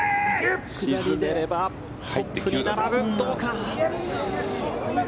沈めればトップに並ぶどうか！